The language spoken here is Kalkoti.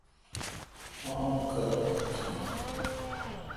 مہ ان کوتھ تھم۔